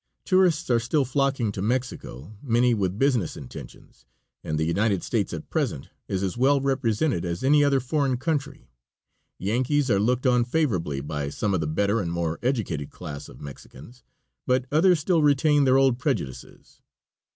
Tourists are still flocking to Mexico, many with business intentions, and the United States at present is as well represented as any other foreign country. Yankees are looked on favorably by some of the better and more educated class of Mexicans, but others still retain their old prejudices.